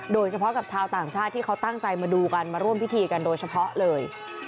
โดยเฉพาะกับชาวต่างชาติที่เขาตั้งใจมาดูกันมาร่วมพิธีกันโดยเฉพาะเลย